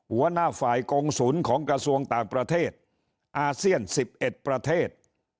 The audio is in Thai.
หัวหน้าฝ่ายกงศูนย์ของกระทรวงต่างประเทศอาเซียน๑๑ประเทศ